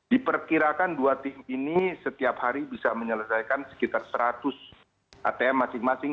diperkirakan dua tim ini setiap hari bisa menyelesaikan sekitar seratus atm masing masing